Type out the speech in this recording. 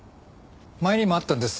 前にもあったんです。